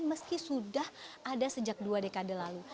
meski sudah ada sejak dua dekade lalu